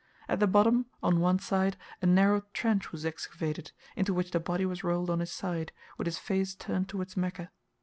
At the bottom on one side a narrow trench was excavated, into which the body was rolled on his side, with his face turned towards Mecca.